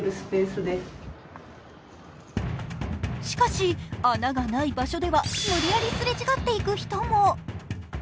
しかし穴がない場所では無理やりすれ違っていく人も。